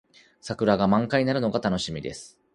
桜が満開になるのが楽しみです。